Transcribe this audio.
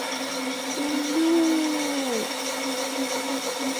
Улю-ю!..